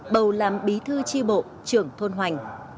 bầu làm bí thư tri bộ trưởng thôn hoành